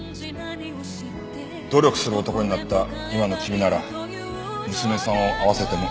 努力する男になった今の君なら娘さんを会わせてもいいと言ってたぞ。